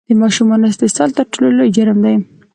د ماشومانو استحصال تر ټولو لوی جرم دی!